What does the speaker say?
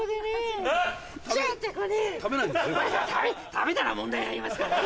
食べたら問題になりますからね。